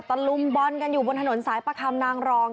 ลุมบอลกันอยู่บนถนนสายประคำนางรอง